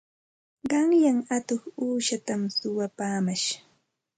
Qanyan atuq uushatam suwapaamash.